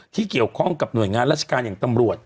ที่เกี่ยวข้องกับหน่วยงานราชการอย่างตำรวจ